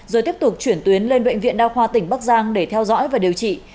rồi tiếp tục chuyển tuyến lên bệnh viện đa khoa tỉnh bắc giang để theo dõi và điều trị